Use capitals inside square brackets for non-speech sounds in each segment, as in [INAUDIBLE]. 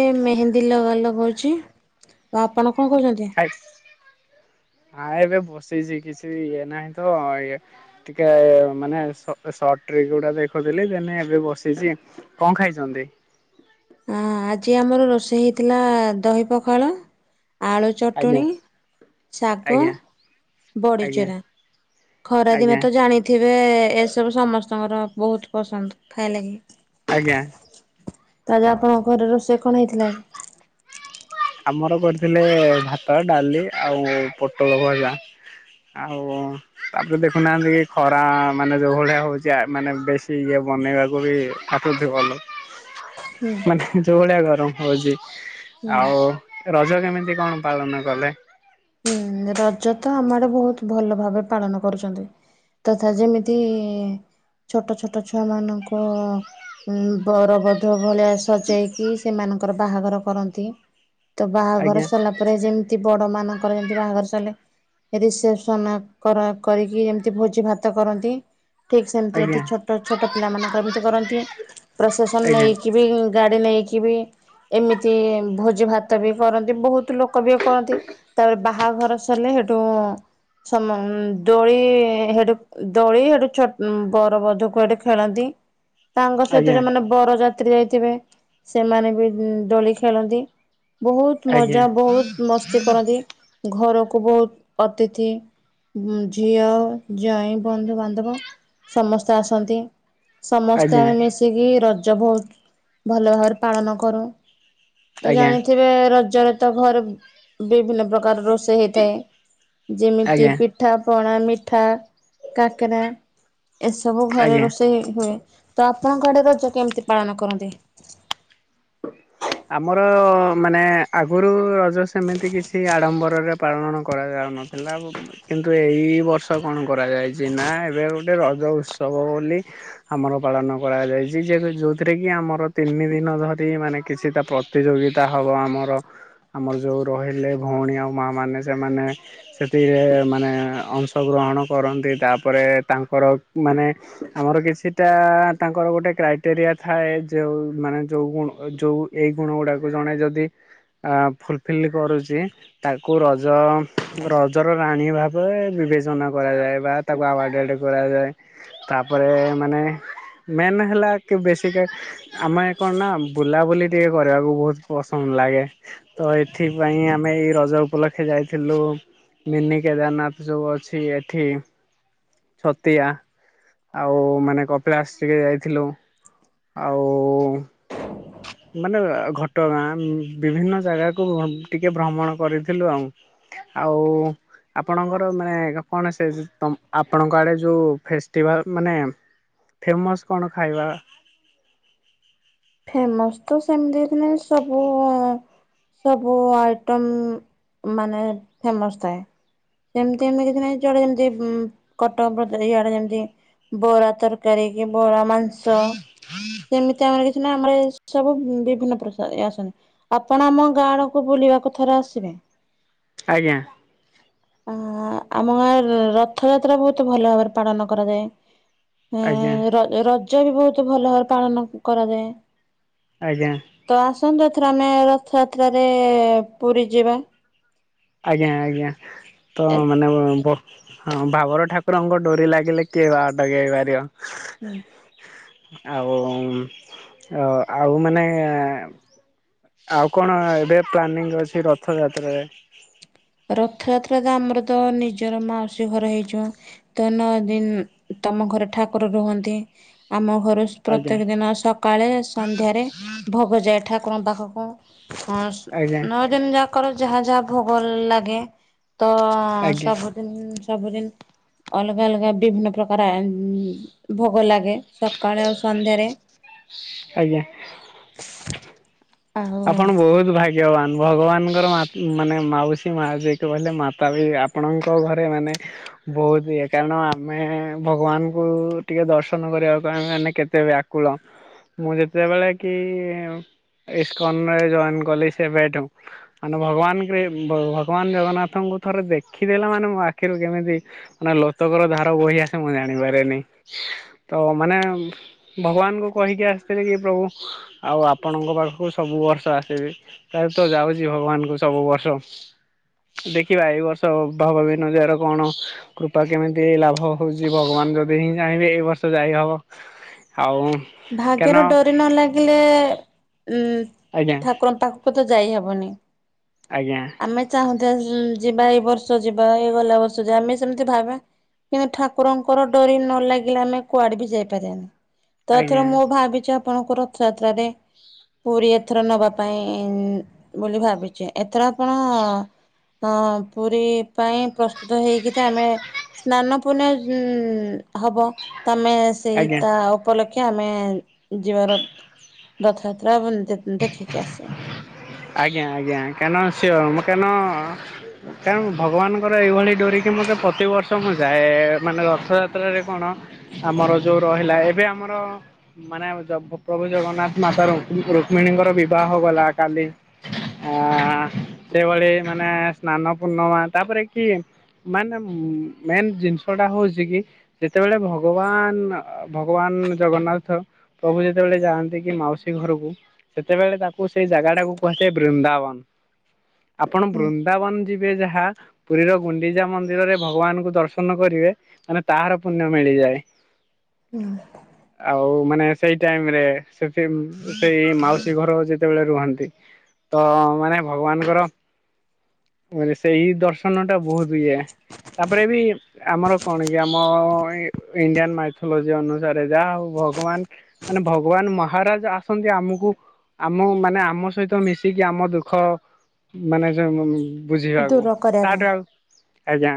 ମୁଁ ମେହେନ୍ଦୀ ଲ ଲଗଉଛି, ଆଉ ଆପଣ କଣ କହୁଛନ୍ତି? ଖାଇସ୍ ହଁ ଏବେ ବସିଛି କିଛି ଇଏ ନାହିଁ ତ ଇଏ ଟିକେ ମାନେ ସ ସଟ ଟ୍ରିକ ଗୁଡ଼ା ଦେଖୁଥିଲି। ଦେନେ ଏବେ ବସିଛି, କଣ ଖାଇଛନ୍ତି? ହଁ ଆଜି ଆମର ରୋଷେଇ ହେଇଥିଲା ଦହି ପଖାଳ। ଆଳୁ ଆଜ୍ଞା ଚଟଣି, ଶାଗ, ଆଜ୍ଞା ଆଜ୍ଞା ବଡ଼ିଚୁରା। ଖରାଦିନେ ଆଜ୍ଞା ତ ଜାଣିଥିବେ ଏସବୁ ସମସ୍ତଙ୍କର ବହୁତ ପସନ୍ଦ ଖାଇଲାଗି। ଆଜ୍ଞା। ତାହାଲେ ଆପଣଙ୍କ ଘରେ ରୋଷେଇ କଣ ହେଇଥିଲା? ଆମର କରିଥିଲେ ଭାତ, ଡାଲି ଆଉ ପୋଟଳ ଭଜା। ଆଉ ତାପରେ ଦେଖୁନାହାନ୍ତି କି ଖରା ମାନେ ଯୋଉଁ ଭଳିଆ ହଉଛି ମାନେ ବେଶୀ ଇଏ। ବନେଇବାକୁ ବି [UNINTELLIGIBLE] ବି ଭଲ ମାନେ ଯୋଉଁ ଭଳିଆ ଗରମ ହଉଛି ହୁଁ ଆଉ ରଜ କେମିତି କଣ ପାଳନ କଲେ? ରଜ ତ ଆମ ଆଡେ ବହୁତ ଭଲ ଭାବେ ପାଳନ କରୁଛନ୍ତି। ତଥା ଯେମିତି ଛୋଟ ଛୋଟ ଛୁଆ ମାନଙ୍କୁ ଉଁ ବର ବଧୂ ଭଳିଆ ସଜେଇକି ସେମାନଙ୍କର ବାହାଘର କରନ୍ତି। ତ ବାହାଘର ଆଜ୍ଞା ସରିଲା ପରେ ଯେମତି ବଡ ମାନଙ୍କର ଏମ ବାହାଘର ସାରିଲେ ରିସେପସନ କର କରିକି ଯେମିତି ଭୋଜି ଭାତ କରନ୍ତି। ଠିକ ସେମତି ଏଠି ଆଜ୍ଞା ଛୋଟ ଛୋଟ ପିଲା ମାନଙ୍କର ଏମିତି କରନ୍ତି ପ୍ରଶେସନ ଆଜ୍ଞା ନେଇକି ବି ଗା ଗ ନେଇକି ବି ଏମିତି ଭୋଜି ଭାତ ବି କରନ୍ତି। ବହୁତ ଲୋକ ବି କରନ୍ତି ତାପରେ ବା ବାହାଘର ସରିଲେ ହେଠୁ ସମ ଦୋଳି ହେଠୁ ଦୋଳି ହେଠୁ ଛୋ ବର ବଧକୁ ହେଠୁ ଖେଳନ୍ତି। ତାଙ୍କ ସହିତ ଆଜ୍ଞା ଯୋଉଁ ମାନେ ବର ଯାତ୍ରୀ ଯାଇଥିବେ ସେମାନେ ବି ଦୋଳି ଖେଳନ୍ତି। ବହୁତ ଆଜ୍ଞା ମଜା ବହୁତ ମସ୍ତି କରନ୍ତି। ଘରକୁ ବହୁତ ଅତିଥି ଝିଅ ଜୋଇଁ ବନ୍ଧୁ ବାନ୍ଧବ ସମସ୍ତେ ଆସନ୍ତି। ସମସ୍ତେ ଆଜ୍ଞା ଆମେ ମିଶିକି ରଜ ବହୁତ ଭଲ ଭାବରେ ପାଳନ କରୁ। ତ ଆଜ୍ଞା ଜାଣିଥିବେ ରଜରେ ତ ଘରେ ବିଭିନ୍ନ ପ୍ରକାର ରୋଷେଇ ହେଇଥାଏ। ଯେମିତି ଆଜ୍ଞା ପିଠା ପଣା ମିଠା, କାକରା। ଏସବୁ ଘରେ ଆଜ୍ଞା। ରୋଷେଇ ହୁଏ। ତ ଆପଣଙ୍କ ଆଡେ ରଜ କେମିତି ପାଳନ କରନ୍ତି? ଆମର ମାନେ ଆଗରୁ ରଜ ସେମିତି କିଛି ଆଡମ୍ବରରେ ପାଳନ କରାଯା ଉନଥିଲା କିନ୍ତୁ ଏଇ ବର୍ଷ କଣ କରାଯାଇଚି ନା ଏବେ ଗୋଟେ ରଜ ଉତ୍ସବ ଲି ଆମର ପାଳନ କରାଯାଇଚି ଯେ ଯୋଉଥିରେ କି ଆମର ତିନି ଦିନ ଧରି ମାନେ କିଛିଟା ପ୍ରତିଯୋଗିତା ହବ ଆମର ଆମର ଯୋଉ ରହିଲେ ଭଉଣୀ ଆଉ ମା ମାନ ସେମାନେ ସେଥିରେ ମାନେ ଅଂଶଗ୍ରହଣ କରନ୍ତି ତାପରେ ତାଙ୍କର ମାନେ ଆମର କିଛିଟା ତାଙ୍କର ଗୋଟେ କ୍ରାଇଟେରିଆ ଥାଏ ଯୋଉ ମାନେ ଯୋଉ ଣ ଯୋଉ ଏଇ ଗୁଣ ଗୁଡାକୁ ଜଣେ ଯଦି ଆ ଫୁଲଫିଲ୍ କରୁଚି ତାକୁ ର ଜ ରଜର ରାଣୀ ଭାବରେ ବିବେଚନା କରାଯାଏ ବା ତାକୁ ଆୱାର୍ଡଡ କରାଯାଏ। ତାପରେ ମାନେ ଏ ମେନ୍ ହେଲା କି ବେଶିକା ଆମେ କଣ ନା ବୁଲାବୁଲି ଟିକେ କରିବାକୁ ବହୁତ ପସନ୍ଦ ଲାଗେ, ତ ଏଥିପାଇଁ ଆମେ ଏଇ ରଜ ଉପଲକ୍ଷେ ଯାଇ ଯାଇଥିଲୁ ମିନି କେଦାରନାଥ ଯୋଉ ଅଛି ଏଠି ଛତିଆ ଆଉ ମାନେ କପିଳାସ ଟିକେ ଯାଇଥିଲୁ। ଆଉ ମାନେ ଘଟଗାଁ ବିଭିନ୍ନ ଜାଗାକୁ ଟିକେ ଭ୍ରମଣ କରିଥିଲୁ ଆଉ। ଆଉ ଆପଣଙ୍କର ମାନେ କଣ ସେ ତମ୍ ଆପଣଙ୍କ ଆଡ଼େ ଯଉ ଫେଷ୍ଟିଭାଲ ମାନେ ଫେମସ୍ କଣ ଖାଇବା? ଫେମସ ତ ସେମିତି ଦେଖିଲେ ସବୁ ସବୁ ଆଇଟମ ମାନେ ଫେମସ୍ ଥାଏ। ସେମତି ଏମିତି କି ନାଇ ଯଆଡେ ଯେମିତି କଟକ ଭଦ ଆଡେ ଯେମିତି ବରା ତରକାରୀ ବରା ମାଂସ ସେମିତି ଆମର ସିନା ଆମର ସବୁ ବିଭିନ୍ନ ପ୍ରକାର ଆସନ୍ତି ଆପଣ ଆମ ଗାଁଆଡକୁୁ ବୁଲିବାକୁ ଥରେ ଆସିବେ। ଆଜ୍ଞା। ଉଁ ଆଁ ଆମ ଗାଁ ରଥଯାତ୍ରା ବହୁତ ଭଲ ଭାବରେ ପାଳନ କରାଯାଏ। ଆଜ୍ଞା ହଁ ରଜ ରଜ ବି ବହୁତ ଭଲ ଭାବରେ ପାଳନ କରାଯାଏ। ଆଜ୍ଞା ତ ଆସନ୍ତୁ ଏଥର ଆମେ ରଥଯାତ୍ରାରେ ପୁରୀ ଯିବା। ଆଜ୍ଞା ଆଜ୍ଞା ତ ମାନେ ହଁ ଭାବର ଠାକୁରଙ୍କ ଡୋରି ଲାଗିଲେ କିଏ ବା ଅଟକେଇ ପାରିବ ହୁଁ। ଆଉ ଆଉ ଆଉ ମାନେ ଆଉ କଣ ଏବେ ପ୍ଲାନିଂ ଅଛି ରଥଯାତ୍ରାରେ? ରଥଯାତ୍ରା ତ ଆମର ତ ନିଜର ମାଉସୀ ଘର ହେଇଯିବ ତ ନଅ ଦିନ ତମ ଘରେ ଠାକୁର ରୁହନ୍ତି ଆମ ଘରୁ ଆଜ୍ଞା ପ୍ରତ୍ୟେକ ଦିନ ସକାଳେ ସନ୍ଧ୍ୟାରେ ଭୋଗ ଯାଏ ଠାକୁରଙ୍କ ପାଖକୁ ହଁ ଆଜ୍ଞା ନଅ ଦିନ ଯାକର ଯାହା ଯାହା ଭୋଗ ଲାଗେ ତ ଆଜ୍ଞା ସବୁଦିନ ସବୁଦିନ ଅଲଗା ଅଲଗା ବିଭିନ୍ନ ପ୍ରକାର ଆ ଭୋଗ ଲାଗେ ସକାଳେ ଆଉ ସନ୍ଧ୍ୟାରେ। ଆଜ୍ଞା ଆଉ ଆପଣ ବହୁତ ଭାଗ୍ ଗ୍ୟବାନ ଭଗବାନଙ୍କର ମା ମାନେ ମାଉସୀ ମା ଯେଏକି କହିଲେ ମାତା ବି ଆପଣଙ୍କ ଘରେ ମାନେ ବହୁତ ଇଏ କାରଣ ଆମେ ଭଗବାନଙ୍କୁ ଟିକେ ଦର୍ଶନ କରିବାକୁ ଆମେ ମାନେ କେତେ ବ୍ୟାକୁଳ ମୁଁ ଯେତେବେଳେ କି ଇସ୍କନରେ ଜଏନ କଲି ସେବେଠୁ ଆନ୍ ଭଗବାନ କିରି ଭଗବାନ ଜଗନ୍ନାଥଙ୍କୁ ଥରେ ଦେ ଦେଖିଦେଲା ମାନେ ମୋ ଆଖିରୁ କେମିତି ମାନେ ଲୋତକର ଧାର ବହି ଆସେ ମୁଁ ଜାଣିପାରେନି। ତ ମାନେ ଭଗବାନଙ୍କୁ କହିକି ଆସିଥିଲେ କି ପ୍ରଭୁ ଆଉ ଆପଣଙ୍କ ପାଖକୁ ସବୁ ବର୍ଷ ଆସିବି ତା ତ ଯାଉଛି ଭଗବାନଙ୍କୁ ସବୁ ବର୍ଷ ଦେଖିବା ଏଇ ବର୍ଷ ଭାବବିନଦିଆର କଣ କୃପା କେମିତି ଲାଭ ହଉଚି ଭଗବାନ ଯଦି ହିଁ ଚାହିଁବେ ଏଇ ବର୍ଷ ଯାଇ ହବ ଆଉ କାରଣ ଭାଗ୍ୟର ଡୋରି ନ ଲାଗିଲେ ଉଁ ଆଜ୍ଞା ଠାକୁରଙ୍କ ପାଖ୍ କୁତ ଯାଇହବନି ଆଜ୍ଞା ଆଜ୍ଞା ଆମେ ଚାହୁଁଥିବା ଯିବା ଏଇ ବର୍ଷ ବର୍ଷ ଯିବା ଏଇ ଗଲା ବର୍ଷ ଯିବା ଆମେ ସେମିତି ଭାବ୍ ବା କିନ୍ତୁ ଠାକୁରଙ୍କର ଡୋରି ନ ଲାଗିଲେ ଆମେ କୁଆଡେ ବି ଯାଇପାରାବାନି। ତ ଏଥର ଆଜ୍ଞା ମୁଁ ଭାବିଛି ଆପଣଙ୍କ ରଥଯାତ୍ରାରେ ପୁରୀ ଏଥର ନବା ପାଇଁ ବୋଲି ଭାବିଛି ଏଥର ଆପଣ ଅ ପୁରୀ ପାଇଁ ପ୍ରସ୍ତୁତ ହେଇକି ତ ଆମେ ସ୍ନାନ ପୁଣ୍ୟ ଉ ହବ ତମେ ସେଇ ଆଜ୍ଞା ତା କ୍ଷ ଆମେ ଯିବାର ରଥଯାତ୍ରା ଦେଖିକି ଆସିବା। ଆଜ୍ଞା ଆଜ୍ଞା କାଇଁନା ସିଏ ମ କାଇଁନ କାଉଁ ଭଗବାନଙ୍କର ଏଇଭଳି ଡୋରିକି ମୋତେ ପ୍ରତିବର୍ଷ ମୁଁ ଯାଏ ମାନେ ରଥଯାତ୍ରାରେ କଣ ଆମର ଯୋଉ ରହିଲା ଏବେ ଆମର ମାନେ ପ୍ରଭୁ ଜଗ ଜଗନ୍ନାଥ ମାତା ରୁକ୍ ରୁକ୍ମିଣୀଙ୍କର ବିବାହଗଲା କାଲି ଆ ସେଭଳି ମାନେ ସ୍ନାନ ପୂର୍ଣ୍ଣମା ତାପରେ କି ମାନେ ମେନ୍ ଜିନିଷ ଟା ହଉଛି କି ଯେତେବେଳେ ଭଗବାନ ଭଗବାନ ଜଗନ୍ନାଥ ପ୍ରଭୁ ଯେତେବେଳେ ଯାଆନ୍ତି କି ମାଉସୀ ଘରକୁ ସେତେବେଳେ ତାକୁ ସେଇ ଜାଗା ଟାକୁ କୁହାଯାଏ। ବୃନ୍ଦାବନ ଆପଣ ହୁଁ ବୃନ୍ଦାବନ ଯି ବେ ଯାହା ପୁରୀର ଗୁଣ୍ଡିଜା ମନ୍ଦିରରେ ଭଗବାନଙ୍କୁ ଦର୍ଶନ କରିବେ ମାନେ ତାହାର ପୁଣ୍ୟ ମିଳିଯାଏ। ଯାଏ। ହୁଁ ଆଉ ମାନେ ସେଇ ଟାଇମରେ ସେଠି ସେଇ ମାଉସୀ ସି ଘର ଯେତେବେଳେ ରୁହନ୍ତି ତ ମାନେ ଭଗବାନଙ୍କର ମେ ସେଇ ଦର୍ଶନ ଟା ବହୁତ ଇଏ। ତାପରେ ବି ଆମର କଣ କି ଆମ ଇଣ୍ଡିଆନ ମାଇଥୋଲୋଜି ଅନୁସାରେ ଯାହା ହଉ ଭଗବାନ ମାନେ ଭଗବାନ ମହାରାଜ ଆସନ୍ତି ଆମକୁ ଆମ ମାନେ ଆମ ସହିତ ମିଶିକି ଆମ ଦୁଃଖ ମାନେ ଯ ମମ ବୁଝିବାକୁ ଦୂର କରିବା ପାଇଁ। ତାଠୁ ଆଉ ଆଜ୍ଞା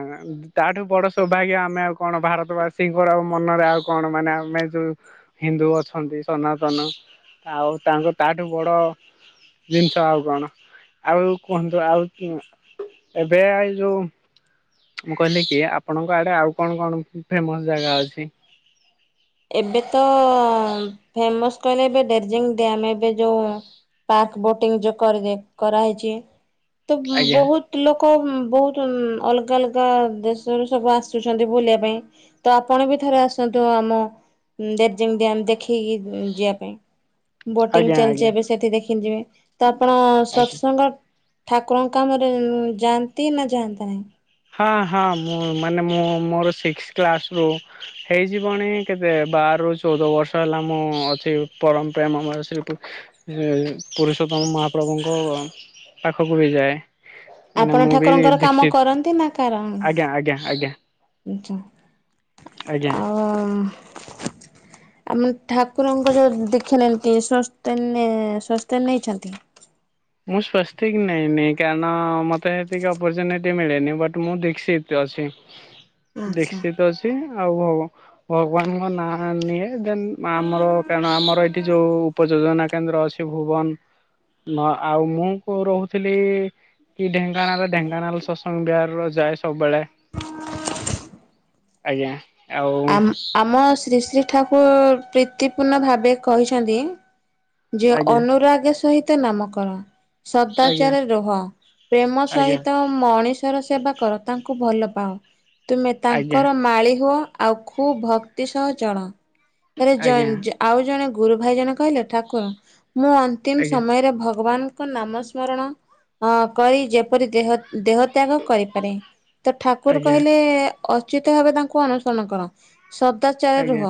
ତାଠୁ ବଡ ସୌଭାଗ୍ୟ ଆମେ ଆଉ କଣ ଭାରତବାସୀଙ୍କର ଆ ମନରେ ଆଉ କଣ ମାନେ ଆମେ ଯୋଉ ହିନ୍ଦୁ ଅଛନ୍ତି ସନାତନ ଆଉ ତାଙ୍କ ତାଠୁ ବଡ ଜିନିଷ ଆଉ କଣ ଆଉ କୁହନ୍ତୁ ଆଉ ଏବେ ଏଇ ଯୋଉ ମୁଁ କହିଲି କି ଆପଣଙ୍କ ଆଡେ ଆଉ କଣ କଣ ଫେମସ ଜାଗା ଅଛି? ଏବେ ତ ଫେମସ କହିଲେ ଏବେ ଡ଼ାରଜିଂ ଡ୍ୟାମ ଏବେ ଯୋଉ ପାର୍କ ବୋଟିଂ ଯୋଉ କରିଦ କରାହେଇଛି ତ ଆଜ୍ଞା ବହୁତ ଲୋକ ଲୋକ ବହୁତ ଅଲଗା ଅଲଗା ଦେଶରୁ ସବୁ ଆସୁଛନ୍ତି ବୁଲିବା ପାଇଁ ତ ଆପଣ ବି ଥରେ ଆସନ୍ତୁ ଆମ ଡ଼ାରଜିଂ ଡ୍ୟାମ ଦେଖେଇକି ଯିବା ପାଇଁ ବୋଟିଂ ଆଜ୍ଞା ଚାଲିଛି ଆଜ୍ଞା ଏବେ ସେଠି ଦେଖିନ ଯିବେ ତ ଆପଣ ଆଜ୍ଞା। ସତସଙ୍ଗ ଠାକୁରଙ୍କ କାମରେ ଯାଆନ୍ତି ନା ଯାଆନ୍ତି ନାହିଁ? ହଁ ହଁ ମୁଁ ମାନେ ମୁଁ ମୋର ସିକ୍ସ କ୍ଲାସ ରୁ ହେଇଯିବଣି କେତେ ବା ବାରରୁ ଚଉଦ ବର୍ଷ ହେଲା ମୁଁ ଅଛି ପରମ ପ୍ରେମମୟ ଶ୍ରୀ ଏ ପୁରୁଷୋତ୍ତମ ମହାପ୍ରଭୁଙ୍କ ପାଖକୁ ବି ଯାଏ ମାନେ ଆପଣ ମୁଁ ବି ଠାକୁରଙ୍କର କାମ ଦିକ୍ସିତ୍। କରନ୍ତି ଆଜ୍ଞା ଆଜ୍ଞା ଆଜ୍ଞା। ଆଛା ଆଜ୍ଞା ଆଉ। ଆମ ଠାକୁରଙ୍କ ଯୋଉ ଦେଖିଲେ ଏନ୍ତି ସ୍ଵସ୍ଥ ସସ୍ଥ ନେଇଛନ୍ତି? ମୁଁ ସ୍ଵସ୍ତିକ ନେଇନି କାରଣ ମତେ ହେତିକି ଅପର୍ଚୁନିଟି ମିଳେନି ବଟ ମୁଁ ଦିକ୍ସିତ୍ ଅଛି। ଛି ଆଚ୍ଛା। ଦୀକ୍ଷିତ ଅଛି ଆଉ ଭଗବାନଙ୍କ ନାଁ ନିଏ। ଦେନ୍ ଆମର କାରଣ ଆମର ଏ ଏଠି ଯୋଉ ଉପଯୋଜନା କେନ୍ଦ୍ର ଅଛି ଭୁବନ ନ ଆଉ ମୁଁ କୋଉ ରହୁଥିଲି କି ଢେଙ୍କାନାଳ ଢେଙ୍କାନାଳ ସତ୍ସଙ୍ଗ ବିହାରର ଯାଏ। ସବୁବେଳେ ଆଜ୍ଞା। ଆଉ ଆମ ଆମ ଶ୍ରୀ ଶ୍ରୀ ଠାକୁର ପ୍ରୀତିପୂର୍ଣ୍ଣ ଭାବେ କହିଛନ୍ତି। ଯେ ଆଜ୍ଞା ଅନୁରାଗ ସହିତ ନାମକରଣ। ଆଜ୍ଞା ସଦାଚାର ରୁହ, ପ୍ରେମ ସହିତ ମଣିଷର ସେବା କର, ତାଙ୍କୁ ଭଲ ପାଅ, ତୁମେ ଆଜ୍ଞା ତାଙ୍କର ମାଳି ହୁଅ ଆଉ ଖୁବ ଭକ୍ତି ସହ ଚଳ। ତାରେ ଆଜ୍ଞା ଆଉ ଜଣେ ଗୁରୁ ଭାଇ ଜଣେ କହିଲେ -ଠାକୁର ମୁଁ ଅନ୍ତିମ ଆଜ୍ଞା ସମୟରେ ଭଗବାନ୍। ନାମ ସ୍ମରଣ ଅ କରି ଯେପରି ଦେହ ଦେହ। ତ୍ୟାଗ କରିପାରେ, ତ ଠାକୁର ଆଜ୍ଞା ଆଜ୍ଞା କହିଲେ ଅଚ୍ୟୁତ ଭବେ ତାଙ୍କୁ ଅନୁସରଣ କର। ସଦାଚାରେ ରୁହ, ଆଜ୍ଞା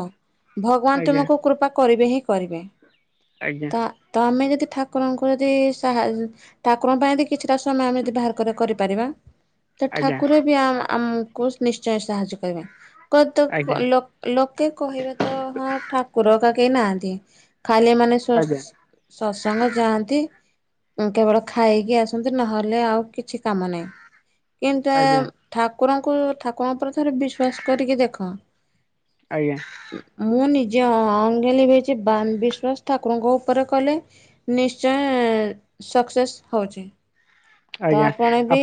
ଭଗବାନ ଆଜ୍ଞା ତୁମକୁ କୃପା କରିବେ ହିଁ କରିବେ। ଆଜ୍ଞା ତା ତମେ କେତେ ଠାକୁରଙ୍କୁ ଯଦି ସାହା, ଠାକୁରଙ୍କ ପାଇଁ ଯଦି କିଛିଟା ସମୟ ଆମେ ଯଦି ବାହାର କରି କରିପାରିବା ତ ଆଜ୍ଞା ଠାକୁର ବି, ଆ ଆମକୁ ନିଶ୍ଚୟ ସାହାଯ୍ୟ କରିବେ ଆଜ୍ଞା ଲୋକେ କହିବେ ତ ହଁ ଠାକୁର ହେଇକା କେହି ନାହାନ୍ତି। ଖାଲି ଏମାନେ ଆଜ୍ଞା ସତସଙ୍ଗ ଯାଆନ୍ତି। କେବଳ ଖାଇକି ଆସନ୍ତି, ନହେଲେ ଆଉ କିଛି କାମ ନାହିଁ। କିନ୍ତୁ ଆଜ୍ଞା ଆଜ୍ଞା ଠାକୁରଙ୍କୁ, ଠାକୁର ଉପରେ ଥରେ ବିଶ୍ଵାସ କରିକି ଦେଖ ଆଜ୍ଞା ମୁଁ ନିି ଯିଏ ଅଙ୍ଗଲିଭେଇଛି ବା ବିଶ୍ଵାସ ଠାକୁରଙ୍କ ଉପରେ କଲେ, ନିଶ୍ଚୟ ସକ୍ସେସ୍ ହଉଛି ତ ଆପଣ ବି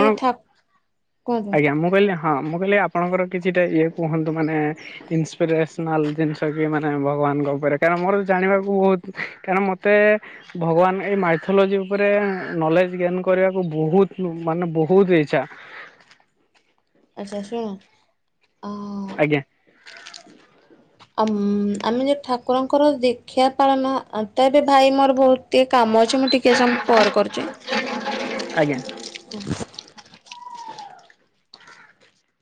କୁହନ୍ତୁ ଆଜ୍ଞା, ମୁଁ କହିଲି ହଁ ମୁଁ କହିଲି- ଆପଣଙ୍କର କିଛିଟା ଇଏ କୁହନ୍ତୁ ମାନେ ଇନ୍ସପିରେସନାଲ୍ ଜିନିଷ କି ମାନେ ଭଗ ଭଗବାନଙ୍କ ଉପରେ, କାରଣ ମୋର ଜାଣିବାକୁ ବହୁତ, କାରଣ ମୋତେ ଭଗବାନ ଏଇ ମାଇଥୋଲୋଜି ଉପରେ ନଲେଜ ଜ୍ଞାନ କରିବାକୁ ବହୁତ ମାନେ ବହୁତ ଇଛା। ଆଛା [UNINTELLIGIBLE] ଆଜ୍ଞା। ଆ ଆମେ ଯଦି ଠାକୁରଙ୍କ ର ଦୀକ୍ଷ। ପାଳନ ତ ଏବେ ଭାଇ ମୋର ବହୁତ ଟିକେ କାମ ଅଛି ମୁଁ ଟିକେ ସମୟ ପରେ କରୁଛି। ଆଜ୍ଞା।